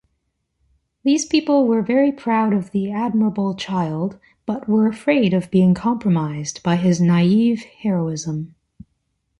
These people were very proud of the admirable child, but were afraid of being compromised by his naive heroism.